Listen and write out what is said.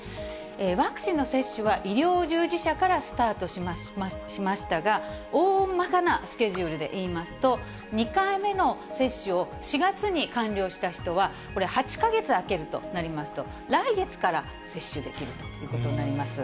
ワクチンの接種は医療従事者からスタートしましたが、おおまかなスケジュールでいいますと、２回目の接種を４月に完了した人は、これ、８か月空けるとなりますと、来月から接種できるということになります。